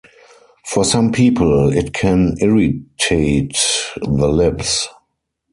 For some people, it can irritate the lips.